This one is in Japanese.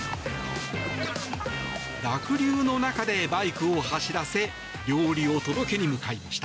濁流の中でバイクを走らせ料理を届けに向かいました。